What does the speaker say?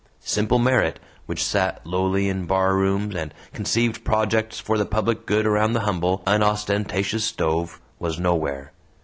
Simple merit, which sat lowly in barrooms, and conceived projects for the public good around the humble, unostentatious stove, was nowhere!